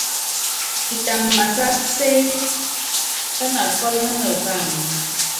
Itamv másák cɛ́ny, pának kɔ́l hámɛ ukáánɛ́.